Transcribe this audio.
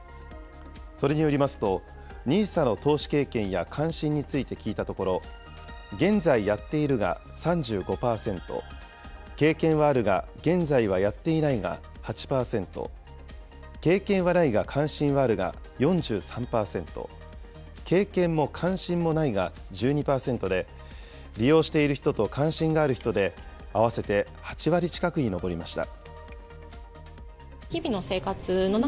それによりますと、ＮＩＳＡの投資経験や関心について聞いたところ、現在やっているが３５％、経験はあるが現在はやっていないが８％、経験はないが関心はあるが４３％、経験も関心もないが１２％で、利用している人と関心がある人で、合わせて８割近くに上りました。